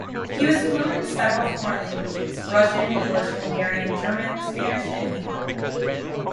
He was fluent in several foreign languages: Russian, English, Hungarian, German, Spanish and Hebrew.